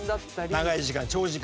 長い時間長時間。